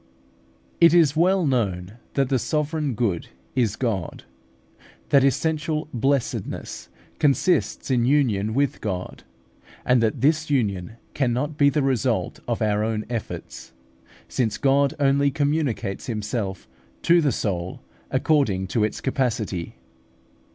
It is well known that the sovereign good is God; that essential blessedness consists in union with God, and that this union cannot be the result of our own efforts, since God only communicates Himself to the soul according to its capacity.